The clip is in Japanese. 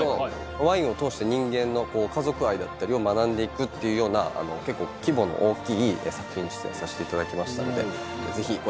ワインを通して人間の家族愛だったりを学んでいくっていうような結構規模の大きい作品に出演させていただきましたのでぜひご覧ください。